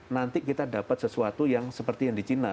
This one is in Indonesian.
nanti kita dapat sesuatu yang seperti yang di china